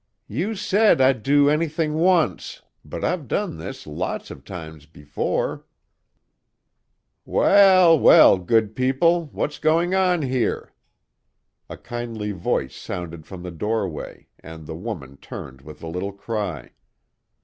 "You said I'd do anything once, but I've done this lots of times before " "Well, well, good people! What's going on here?" A kindly voice sounded from the doorway, and the woman turned with a little cry.